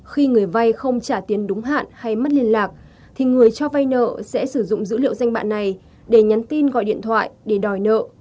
khi người vay không trả tiền đúng hạn hay mất liên lạc thì người cho vay nợ sẽ sử dụng dữ liệu danh bạn này để nhắn tin gọi điện thoại để đòi nợ